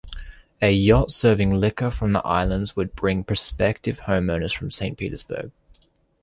A yacht serving liquor from the islands would bring prospective homeowners from Saint Petersburg.